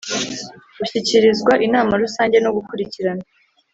gushyikirizwa Inama Rusange no gukurikirana